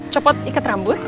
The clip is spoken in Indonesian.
copot ikat rambut